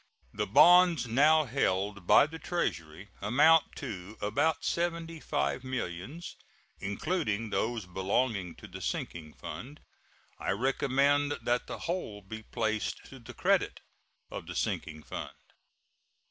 The bonds now held by the Treasury amount to about seventy five millions, including those belonging to the sinking fund. I recommend that the whole be placed to the credit of the sinking fund.